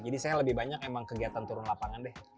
jadi saya lebih banyak emang kegiatan turun lapangan deh